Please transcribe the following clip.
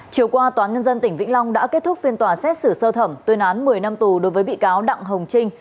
chiều qua tòa nhân dân tỉnh vĩnh long đã kết thúc phiên tòa xét xử sơ thẩm tuyên án một mươi năm tù đối với bị cáo đặng hồng trinh